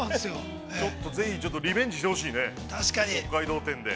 ちょっと、ぜひ、リベンジしてほしいね、北海道展で。